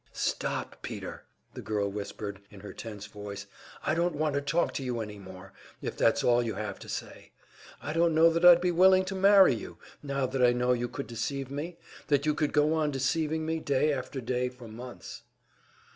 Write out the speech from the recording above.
"Stop, Peter!" the girl whispered, in her tense voice. "I don't want to talk to you any more, if that's all you have to say. I don't know that I'd be willing to marry you now that I know you could deceive me that you could go on deceiving me day after day for months."